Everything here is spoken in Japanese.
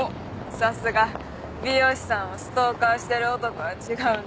さすが美容師さんをストーカーしてる男は違うな。